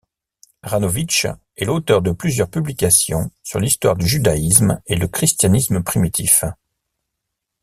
Ranovich est l'auteur de plusieurs publications sur l'histoire du judaïsme et le christianisme primitif.